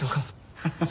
ハハハハ！